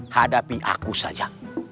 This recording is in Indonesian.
hadapi aku saja